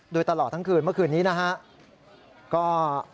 โดยตลอดทั้งคืนเมื่อคืนนี้นะครับ